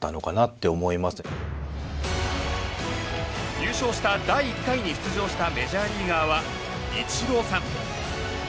優勝した第１回に出場したメジャーリーガーはイチローさん。